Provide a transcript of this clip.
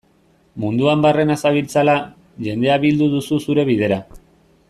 Munduan barrena zabiltzala, jendea bildu duzu zure bidera.